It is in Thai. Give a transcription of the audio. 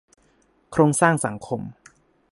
โครงสร้างสังคม